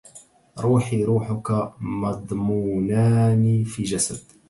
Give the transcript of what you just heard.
روحي وروحك مضمونان في جسد